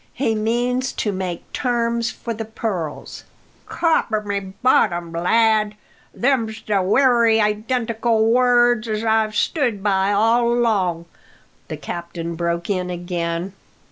He means to make terms for the pearls '" "Copper my bottom, lad! Them's the wery identical words as I've stood by all along!" the captain broke in again.